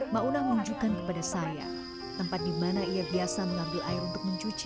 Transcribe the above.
mauna menunjukkan kepada saya tempat di mana ia biasa mengambil air untuk mencuci